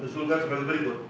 usulkan seperti berikut